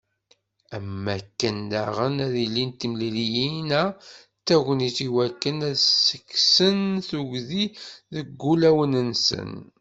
Am wakken daɣen, ad ilint temliliyin-a d tagnit i wakken ad sen-kksen tuggdi seg ulawen-nsen.